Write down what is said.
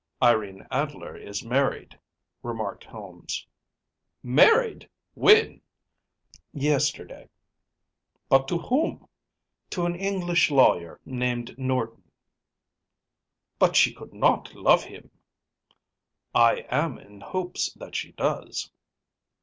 “Irene Adler is married,‚ÄĚ remarked Holmes. “Married! When?‚ÄĚ ‚ÄúYesterday.‚ÄĚ “But to whom?‚ÄĚ “To an English lawyer named Norton.‚ÄĚ “But she could not love him.‚ÄĚ “I am in hopes that she does.